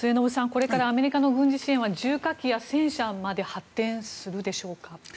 これからアメリカの軍事支援は重火器や戦車まで発展するでしょうか。